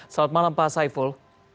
selamat malam pak saiful